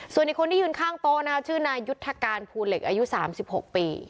ส่วนอีกคนที่ยืนข้างโต๊ะนะคะชื่อนายุทธการภูเหล็กอายุ๓๖ปี